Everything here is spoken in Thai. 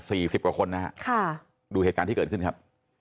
สิบกว่าคนนะฮะค่ะดูเหตุการณ์ที่เกิดขึ้นครับ